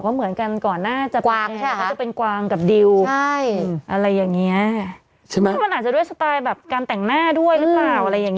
อออันนี้โอ๊ยอุ๊ย